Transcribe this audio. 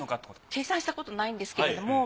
計算したことないんですけれども。